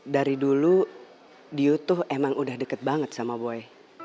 dari dulu di youtuh emang udah deket banget sama boy